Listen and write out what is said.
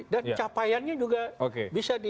dan capaiannya juga bisa di